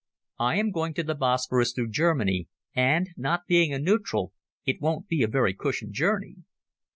"I am going to the Bosporus through Germany, and, not being a neutral, it won't be a very cushioned journey."